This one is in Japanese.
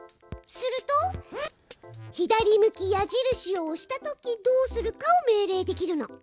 すると左向き矢印を押したときどうするかを命令できるの。